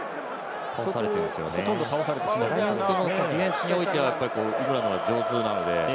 ラインアウトもディフェンスにおいてはイングランドが上手なので。